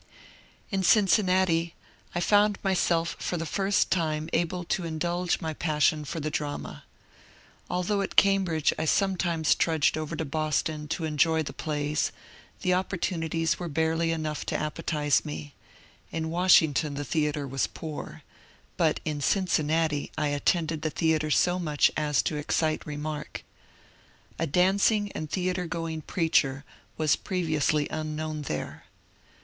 In Cincinnati I found myself for the first time able to ih' dulge my passion for the drama. Although at Cambridge I sometimes trudged over to Boston to enjoy the plays, the opportunities were barely enough to appetize me ; in Wash ington the theatre was poor ; but in Cincinnati I attended the theatre so much as to excite remark. A dancing and theatre going preacher was previously unknown there.